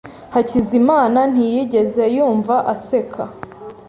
Hakizimana ntiyigeze yumva aseka.